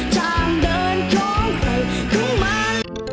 ทางเดินของใครเข้ามา